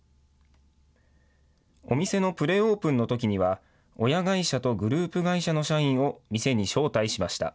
お店のプレオープンにときには、親会社とグループ会社の社員を店に招待しました。